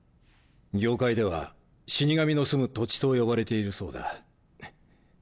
業界では死に神のすむ土地と呼ばれているそうだうっ。